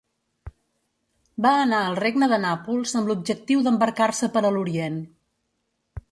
Va anar al regne de Nàpols amb l'objectiu d'embarcar-se per a l'Orient.